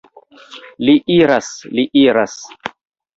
Li iras, li iras!